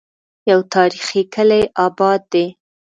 يو تاريخي کلے اباد دی